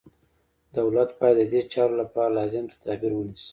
دولت باید ددې چارو لپاره لازم تدابیر ونیسي.